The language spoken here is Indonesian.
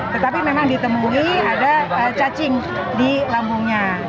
tetapi memang ditemui ada cacing di lambungnya